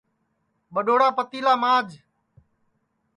ٻڈؔوڑا پتیلا ماج